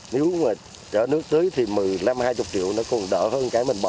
nếu mà chở nước tưới thì một mươi năm hai mươi triệu nó còn đỡ hơn cái mình bỏ